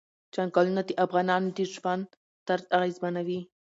چنګلونه د افغانانو د ژوند طرز اغېزمنوي.